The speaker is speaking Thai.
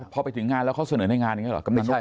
พอไปถึงงานแล้วเขาเสนอในงานอย่างนี้หรอ